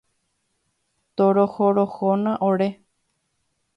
Torohorohóna ore.